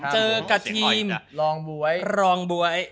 เจอกับทีมรองบ้วย